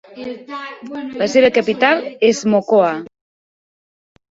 La seva capital és Mocoa.